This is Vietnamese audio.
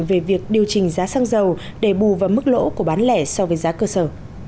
về việc điều chỉnh giá xăng dầu để bù vào mức lỗ của bán lẻ so với giá cơ sở